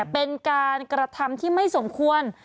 เป็นการกระทำที่ไม่สมควร